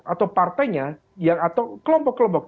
atau partainya atau kelompok kelompok